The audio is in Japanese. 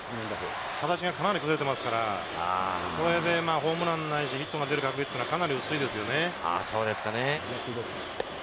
形がかなり崩れてますから、これでホームランないし、ヒットが出る確率っていうのはかなり薄そうですかね。